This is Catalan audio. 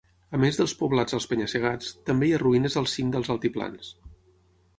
A més dels poblats als penya-segats, també hi ha ruïnes al cim dels altiplans.